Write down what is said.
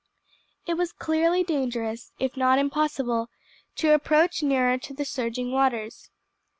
It was clearly dangerous, if not impossible, to approach nearer to the surging waters.